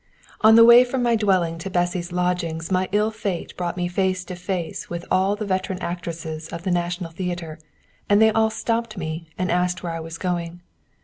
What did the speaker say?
On the way from my dwelling to Bessy's lodgings my ill fate brought me face to face with all the veteran actresses of the National Theatre, and they all stopped me and asked where I was going.